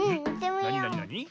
なになになに？